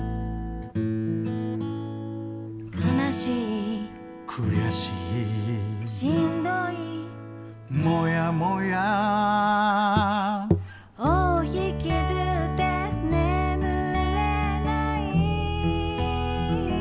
「悲しい」「悔しい」「しんどい」「もやもや」「尾を引きずって眠れない」